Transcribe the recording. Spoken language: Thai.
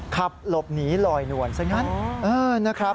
ขับหลบหนีลอยหน่วนซะงั้น